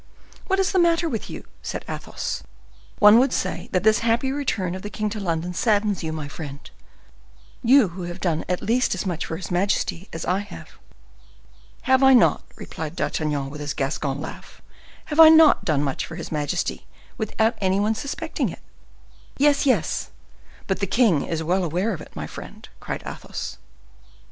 "What is the matter with you?" said Athos. "One would say that this happy return of the king to London saddens you, my friend; you who have done at least as much for his majesty as I have." "Have I not," replied D'Artagnan, with his Gascon laugh, "have I not done much for his majesty, without any one suspecting it?" "Yes, yes, but the king is well aware of it, my friend," cried Athos.